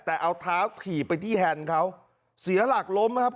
แต่เอาเท้าถีบไปที่แฮนด์เขาเสียหลักล้มนะครับ